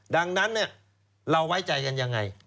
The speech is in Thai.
ดังนั้นเราไว้ใจกันยังไง